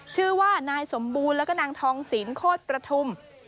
ชื่อว่านายสมบูรณ์แล้วก็นางทองศิลปโคตรประทุม